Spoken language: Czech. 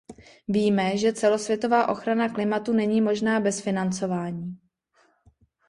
Víme, že celosvětová ochrana klimatu není možná bez financování.